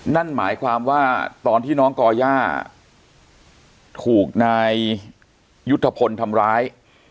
นั่นหมายความว่าตอนที่น้องก่อย่าถูกนายยุทธพลทำร้าย